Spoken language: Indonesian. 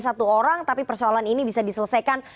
satu orang tapi persoalan ini bisa diselesaikan